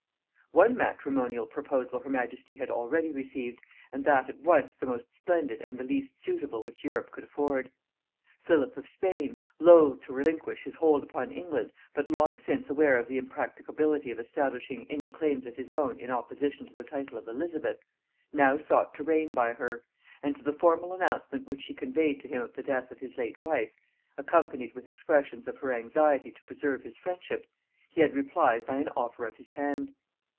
One matrimonial proposal her majesty had already received, and that at once the most splendid and the least suitable which Europe could afford. Philip of Spain, loth to relinquish his hold upon England, but long since aware of the impracticability of establishing any claims of his own in opposition to the title of Elizabeth, now sought to reign by her; and to the formal announcement which she conveyed to him of the death of his late wife, accompanied with expressions of her anxiety to preserve his friendship, he had replied by an offer of his hand.